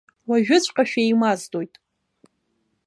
Уажәыҵәҟьа шәеимаздоит.